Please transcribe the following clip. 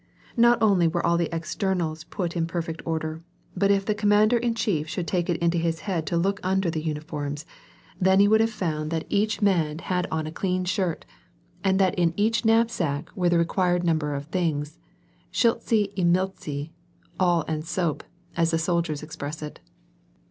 Not only were all the externals x)tit into perfect order, but if the commander in chief should take it into his head to look under the uniforms, then he would have found that each man 130 WAR AND PEACE, 131 had on a clean shirt, and that in each knapsack were the required number of things, " shtltse i mtltse ''— awl and soap — as the soldiers express it.